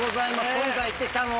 今回行って来たのは？